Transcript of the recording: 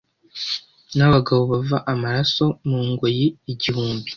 n'abagabo bava amaraso mu ngoyi igihumbi